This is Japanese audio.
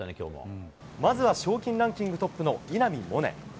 まずは賞金ランキングトップの稲見萌寧。